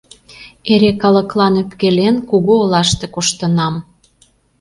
Эре калыклан ӧпкелен, кугу олаште коштынам...